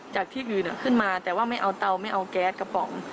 จากที่อื่นขึ้นมาแต่ว่าไม่เอาเตาไม่เอาแก๊สกระป๋อง